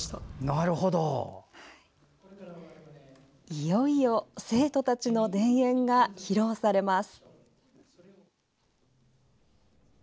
いよいよ、生徒たちの「田園」が披露されます。